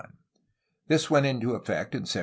This went into effect in 1794.